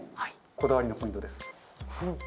こだわりのポイントです。